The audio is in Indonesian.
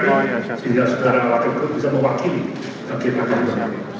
sehingga saudara wakilku bisa mewakili kegiatan bupati